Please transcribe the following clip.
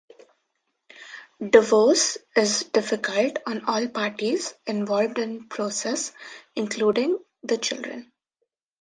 Divorce is difficult on all parties involved in the process, including the children.